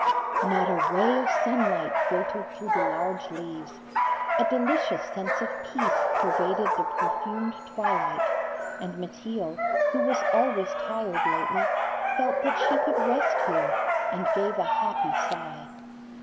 Not a ray of sunlight filtered through the large leaves; a delicious sense of peace pervaded the perfumed twilight, and Mateel, who was always tired lately, felt that she could rest here, and gave a happy sigh.